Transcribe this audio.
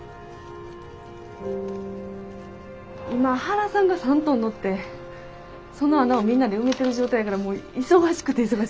今原さんが３トン乗ってその穴をみんなで埋めてる状態やからもう忙しくて忙しくて。